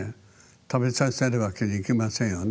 食べさせるわけにいきませんよね。